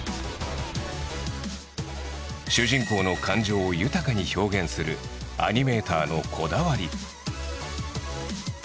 主人公の感情を豊かに表現するアニメーターのこだわり。